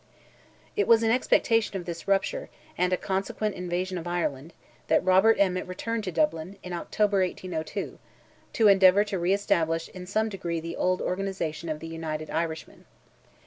It was in expectation of this rupture, and a consequent invasion of Ireland, that Robert Emmet returned to Dublin, in October, 1802, to endeavour to re establish in some degree the old organization of the United Irishmen.